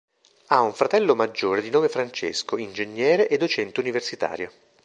Ha un fratello maggiore di nome Francesco, ingegnere e docente universitario.